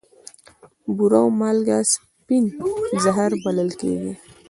بوره او مالګه سپین زهر بلل کیږي.